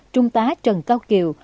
trung tá trần cao kiều